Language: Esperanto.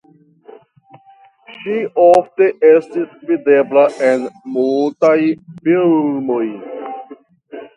Ŝi ofte estis videbla en mutaj filmoj.